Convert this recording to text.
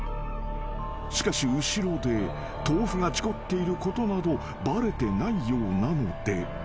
［しかし後ろで豆腐が事故っていることなどバレてないようなので］